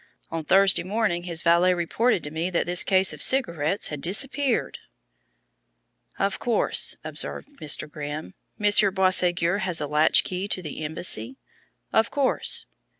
On Thursday morning his valet reported to me that this case of cigarettes had disappeared!" "Of course," observed Mr. Grimm, "Monsieur Boisségur has a latch key to the embassy?" "Of course."